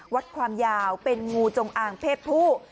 วัดความยาวเป็นงูจงอางเพศผู้